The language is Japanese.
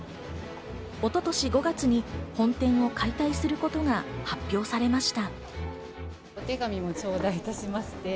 一昨年５月に本店を解体することが発表されました。